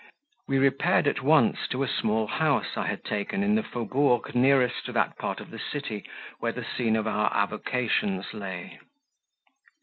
We repaired at once to a small house I had taken in the faubourg nearest to that part of the city where the scene of our avocations lay.